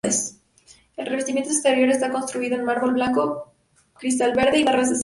El revestimiento exterior está construido en mármol blanco, cristal verde y barras de acero.